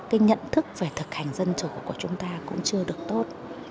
cái nhận thức về thực hành dân chủ của chúng ta cũng chưa được tốt